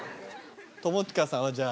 友近さんはじゃあ。